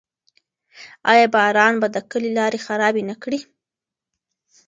آیا باران به د کلي لارې خرابې نه کړي؟